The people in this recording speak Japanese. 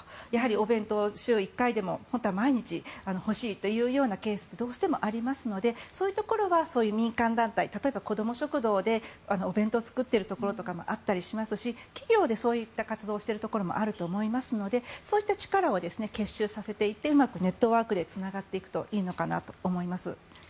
お弁当、週１回でも本当は毎日でも欲しいというケースがどうしてもありますのでそういうところは民間団体例えば子ども食堂でお弁当を作っているところとかもあったりしますし企業でそういった活動をしているところもあると思いますのでそういった力を結集させていってうまくネットワークでつながっていくといいのかなと思います。